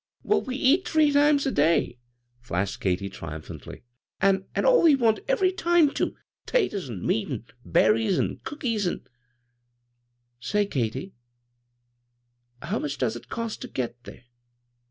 " Well, we eat three times a day," flashed Katy, triumphantly ;" an' all we want ev'ty time, too. 'Taters an' meat, an' berries, an' cookies, an' "" Say, Katy, how much does it cost terget there?"